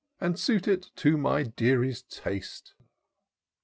And suit it to my deary's taste."